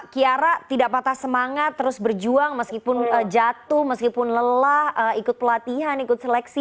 kiara tidak patah semangat terus berjuang meskipun jatuh meskipun lelah ikut pelatihan ikut seleksi